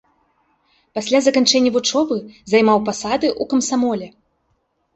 Пасля заканчэння вучобы займаў пасады ў камсамоле.